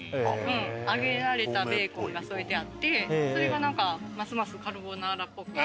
揚げられたベーコンが添えてあってそれがなんかますますカルボナーラっぽく。